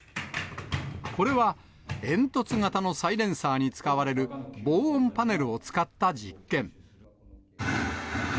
これは、煙突型のサイレンサーに使われる、防音パネルを使った実験。